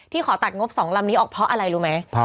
ขอตัดงบ๒ลำนี้ออกเพราะอะไรรู้ไหม